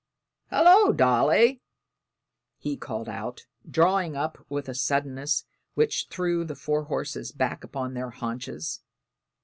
"Hulloa, Dolly!" he called out, drawing up with a suddenness which threw the fore horses back upon their haunches.